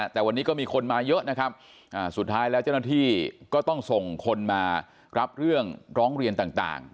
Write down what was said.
แต่วันนี้ก็มีคนมาเยอะนะครับสุดท้ายแล้วเจ้าหน้าที่ก็ต้องส่งคนมารับเรื่องร้องเรียนต่าง